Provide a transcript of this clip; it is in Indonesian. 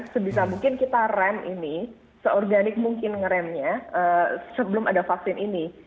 sebisa mungkin kita rem ini seorganik mungkin ngeremnya sebelum ada vaksin ini